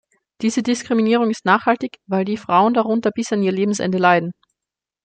Diese Diskriminierung ist nachhaltig, weil die Frauen darunter bis an ihr Lebensende leiden.